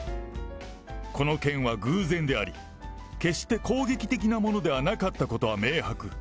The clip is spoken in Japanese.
この件は偶然であり、決して攻撃的なものではなかったことは明白。